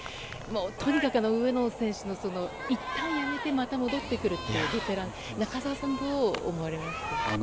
とにかく、上野選手のいったんやめてまた戻ってくるというのは中澤さん、どう思われますか？